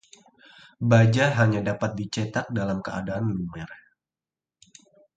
baja hanya dapat dicetak dalam keadaan lumer